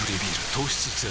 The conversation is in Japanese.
糖質ゼロ